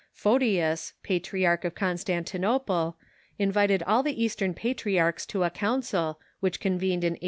Photius, Patriarch of Constanti nople, invited all the Eastern patriarchs to a council, which convened in SG7.